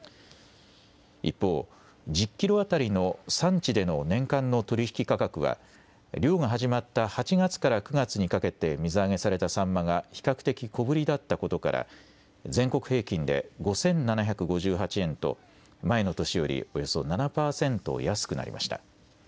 一方１０キロ当たりの産地での年間の取引価格は漁が始まった８月から９月にかけて水揚げされたサンマが比較的小ぶりだったことから全国平均で５７５８円と前の年よりおよそ７％安くなりました。